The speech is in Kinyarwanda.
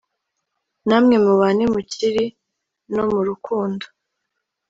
namwe mubane mu kuri no mu rukundo